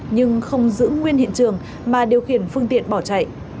nhưng không giữ nguyên hiện trường mà điều khiển phương tiện bỏ chạy